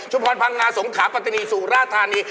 ชุพรภังงาสงขาประตินีสุราธารณี